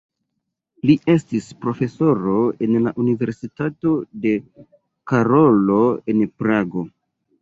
Li estis profesoro en la Universitato de Karolo en Prago.